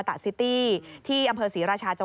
โดดลงรถหรือยังไงครับ